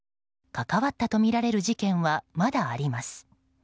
関わったとみられる事件はまだあります。